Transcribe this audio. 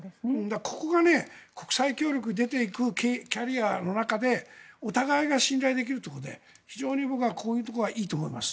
ここが国際協力に出ていくキャリアの中でお互いが信頼できるところで非常に僕は、こういうところはいいと思います。